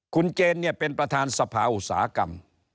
คุณเจนเนี่ยเป็นประธานสภาอุตสาหกรรม